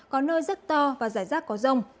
có nơi rất to và giải rác có rông